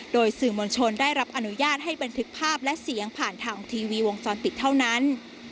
โดยสื่อมวลชนได้รับอนุญาตให้บันทึกภาพและเสียงผ่านทางทีวีวงจรปิดเท่านั้น